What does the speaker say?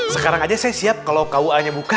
sekarang aja saya siap kalau kua nya buka